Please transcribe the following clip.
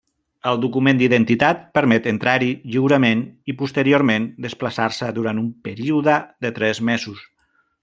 El document d'identitat permet entrar-hi lliurement i posteriorment desplaçar-se durant un període de tres mesos.